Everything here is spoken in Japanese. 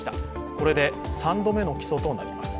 これで３度目の起訴となります。